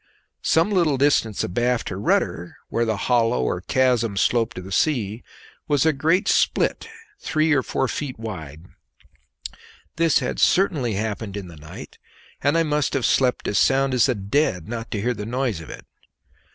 Some little distance abaft her rudder, where the hollow or chasm sloped to the sea, was a great split three or four feet wide; this had certainly happened in the night, and I must have slept as sound as the dead not to hear the noise of it.